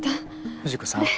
藤子さん。